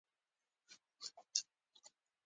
بوټونه د لباس سره همغږي غواړي.